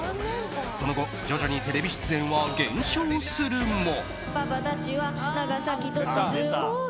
その後、徐々にテレビ出演は減少するも。